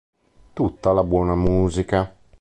Tutta la buona musica.